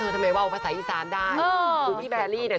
จากฝรั่งจากฝรั่ง